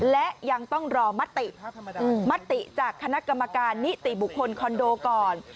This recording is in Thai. และยังต้องรอมติมติจากคณะกรรมการนิติบุคคลคอนโดก่อน